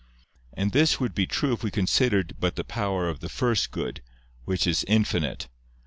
And this would be true if we considered but the power of the First Good, which is infinite.